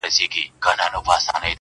پاس د مځکي پر سر پورته عدالت دئ؛